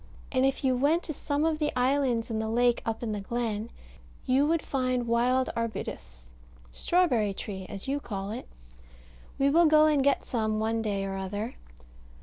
And if you went to some of the islands in the lake up in the glen, you would find wild arbutus strawberry tree, as you call it. We will go and get some one day or other.